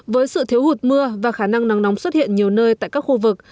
với sự thiếu hụt mưa và khả năng nắng nóng xuất hiện nhiều nơi tại các khu vực